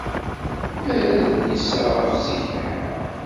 Err adlis-a ɣef zik lḥal.